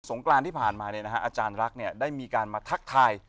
สงกรานที่ผ่านมาเนี่ยนะฮะอาจารย์รักเนี่ยได้มีการมาทักทาย